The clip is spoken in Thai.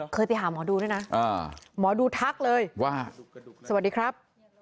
ไปหาหมอดูด้วยนะหมอดูทักเลยว่าสวัสดีครับ